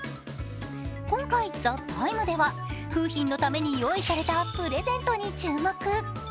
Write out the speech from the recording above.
今回、「ＴＨＥＴＩＭＥ，」では楓浜のために用意されたプレゼントに注目。